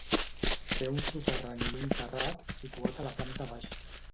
Té un soterrani i un terrat situat a la planta baixa.